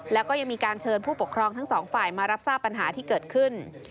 แล้วก็ยังมีการเชิญผู้ปกครองทั้งสองฝ่ายมารับทราบปัญหาที่เกิดขึ้น